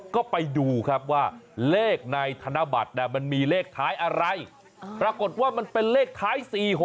ก็ไปดูครับว่าเลขในธนบัตรมันมีเลขท้ายอะไรปรากฏว่ามันเป็นเลขท้าย๔๖